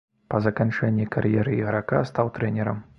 Па заканчэнні кар'еры іграка стаў трэнерам.